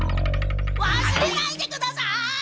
わすれないでください！